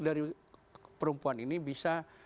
dari perempuan ini bisa